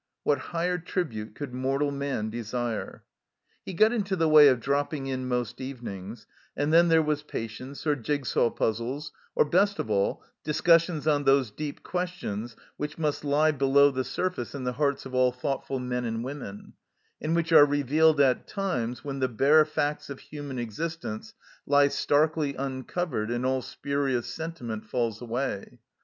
What higher tribute could mortal man desire ? He got into the way of dropping in most even ings, and then there was patience, or jig saw puzzles, or, best of all, discussions on those deep questions which must lie below the surface in the hearts of all thoughtful men and women, and which are revealed at times when the bare facts of human existence lie starkly uncovered and all spurious sentiment falls away.